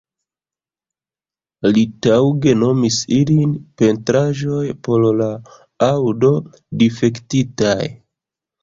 Li taŭge nomis ilin "Pentraĵoj por la Aŭdo-Difektitaj.